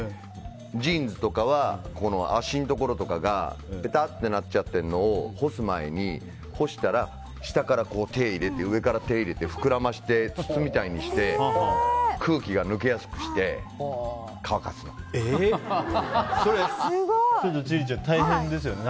ジーンズとかは足のところとかがぺたってなっちゃってるのを干したら、下から手を入れて上から手を入れて膨らませて、筒みたいにして空気が抜けやすくして千里ちゃん、大変ですよね。